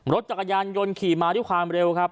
รถจักรยานยนต์ขี่มาด้วยความเร็วครับ